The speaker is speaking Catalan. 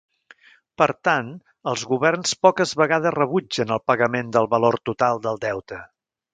Per tant, els governs poques vegades rebutgen el pagament del valor total del deute.